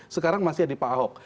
sekarang masih ada pak ahok